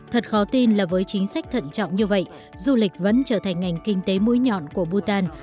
thật khó tin là với chính sách thận trọng như vậy du lịch vẫn trở thành ngành kinh tế mũi nhọn của bhutan